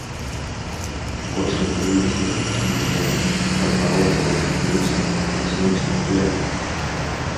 Вочы наліліся вялікім гневам, падбародак завастрыўся, высунуўся наперад.